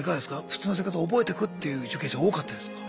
普通の生活を覚えてくっていう受刑者多かったですか？